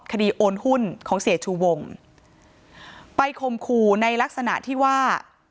โอนหุ้นของเสียชูวงไปคมคู่ในลักษณะที่ว่า